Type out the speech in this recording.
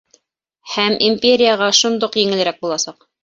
Һәм империяға шундуҡ еңелерәк буласаҡ.